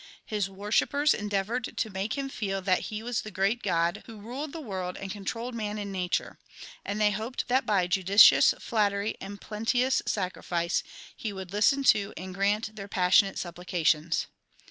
His worshippers endeavoured to make him feel that he was the great god who ruled the world and controlled man and nature ; and they hoped that by judicious flattery and plenteous sacrifice he would listen to and grant their passionate supplica tions.